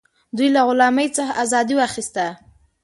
دوی له غلامۍ څخه ازادي واخیسته.